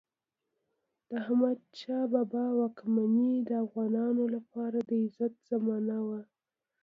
د احمدشاه بابا واکمني د افغانانو لپاره د عزت زمانه وه.